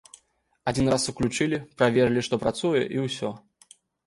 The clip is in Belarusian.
Адзін раз уключылі, праверылі, што працуе, і ўсё.